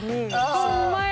ホンマや！